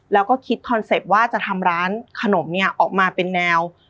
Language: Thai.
แล้วก็คิดคอนเซ็ปต์ว่าจะทำร้านขนมเนี่ยออกมาเป็นแนว